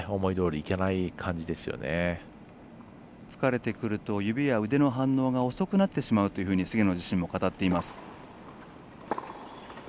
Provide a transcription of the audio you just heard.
疲れてくると指や腕の反応が遅くなってしまうというふうに菅野自身も語っています。